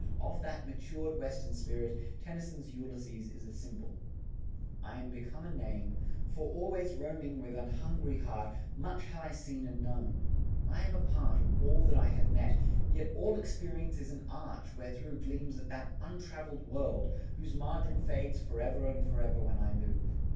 Of that matured Western spirit, Tennyson's Ulysses is a symbol. "... I am become a name For always roaming with an hungry heart, Much have I seen and known ... I am a part of all that I have met; Yet all experience is an arch, where thro' Gleams that untravelled world, whose margin fades Forever and forever when I move.